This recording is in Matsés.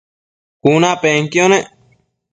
cunapenquio nec